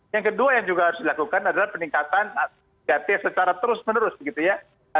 yang kedua yang juga harus dilakukan adalah peningkatan tiga t secara terus menerus begitu ya